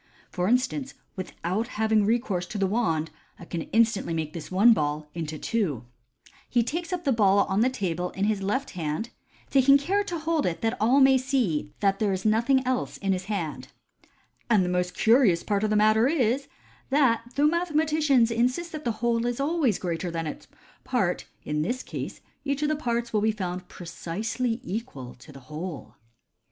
For instance, without having recourse to the wand, I can instantly make this one ball into two " (he takes up the ball on the table in his left hand, taking care so to hold it that all may see that there is nothing else in his hand), r< and the most curious part of the matter is, that though mathematicians insist that the whole is always greater than its part, in this case each of the parts will be found precisely equal to the whole."